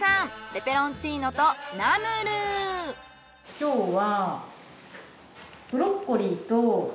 今日は。